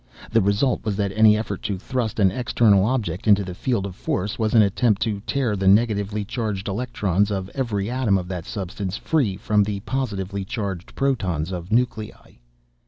The result was that any effort to thrust an external object into the field of force was an attempt to tear the negatively charged electrons of every atom of that substance, free from the positively charged protons of nuclei.